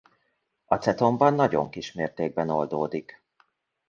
Acetonban nagyon kis mértékben oldódik.